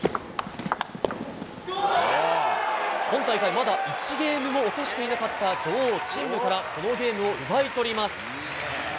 今大会、まだ１ゲームも落としていなかった女王、チン・ムからこのゲームを奪い取ります。